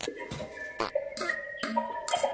তালবনে শশী কখনো যায় না।